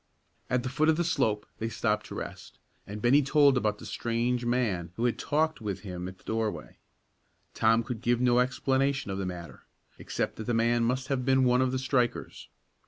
At the foot of the slope they stopped to rest, and Bennie told about the strange man who had talked with him at the doorway. Tom could give no explanation of the matter, except that the man must have been one of the strikers.